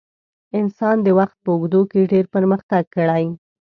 انسان د وخت په اوږدو کې ډېر پرمختګ کړی.